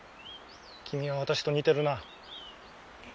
君は私と似てるな。